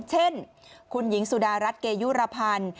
เช่นคุณหญิงสุดารัฐเกยุรพันธ์